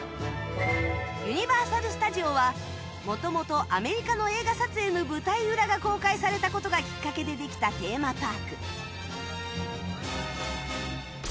ユニバーサル・スタジオは元々アメリカの映画撮影の舞台裏が公開された事がきっかけでできたテーマパーク